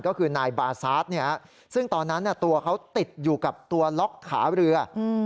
ก็คือนายบาซาสซึ่งตอนนั้นตัวเขาติดอยู่กับตัวล็อกขาเรือ